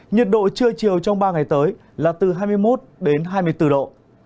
nhiệt độ trưa chiều trong ba ngày tới là từ hai mươi một đến hai mươi bốn độ